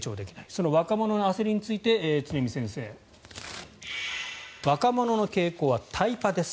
その若者の焦りについて常見先生は若者の傾向はタイパです。